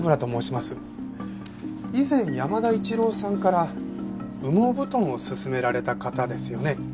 以前山田一郎さんから羽毛布団をすすめられた方ですよね？